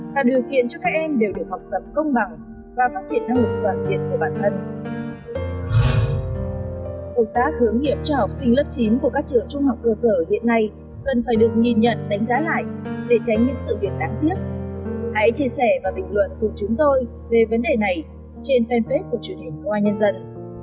tạo điều kiện cho các em đều được học tập công bằng và phát triển năng lực toàn diện của bản thân